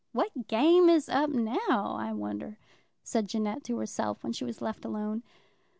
"What game is up now, I wonder," said Jeannette to herself, when she was left alone.